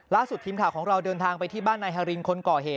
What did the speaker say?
ทีมข่าวของเราเดินทางไปที่บ้านนายฮารินคนก่อเหตุ